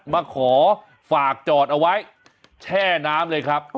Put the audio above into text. มาขอฝากจอดเอาไว้แช่น้ำเลยครับ